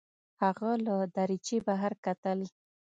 هغه له دریچې بهر کتل.